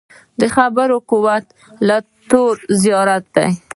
د خبرو قوت له تورو زیات دی.